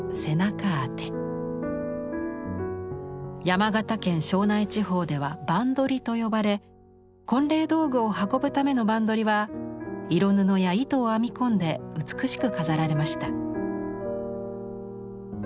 山形県庄内地方では「ばんどり」と呼ばれ婚礼道具を運ぶためのばんどりは色布や糸を編み込んで美しく飾られました。